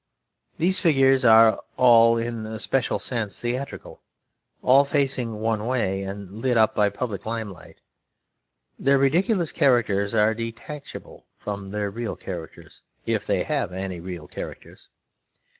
These figures are all in a special sense theatrical; all facing one way and lit up by a public limelight. Their ridiculous characters are detachable from their real characters, if they have any real characters.